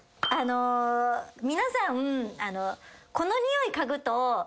皆さん。